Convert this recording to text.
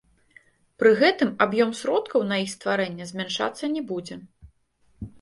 Пры гэтым аб'ём сродкаў на іх стварэнне змяншацца не будзе.